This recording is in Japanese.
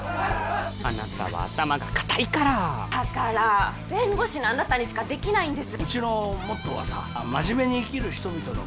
あなたは頭が固いからだから弁護士のあなたにしかできないんですうちのモットーはさ「真面目に生きる人々の」